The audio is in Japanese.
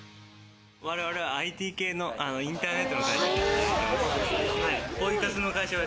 我々はＩＴ系のインターネットの会社で働いてます。